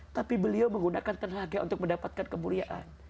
tapi beliau menggunakan tenaga untuk mendapatkan kemuliaan